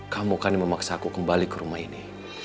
kamu kan yang memaksaku kembali ke rumah ini